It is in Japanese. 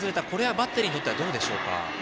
バッテリーにとっていかがでしょうか。